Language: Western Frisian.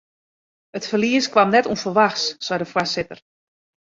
It ferlies kaam net ûnferwachts, seit de foarsitter.